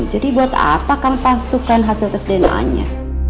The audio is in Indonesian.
jadi buat apa kamu pasukan hasil tes dna nya